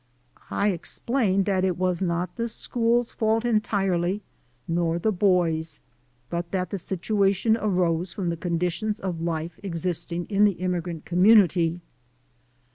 I explained that it was not the school's fault entirely, nor the boy's, but that the situation arose from the conditions of life existing in the immigrant community.